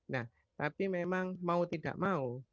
nah tapi memang mau tidak mau